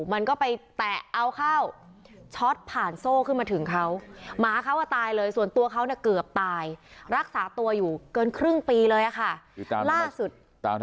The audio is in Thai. มันก็ไปแตะเอาเข้า